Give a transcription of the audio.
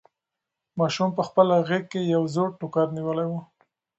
ماشوم په خپله غېږ کې یو زوړ ټوکر نیولی و.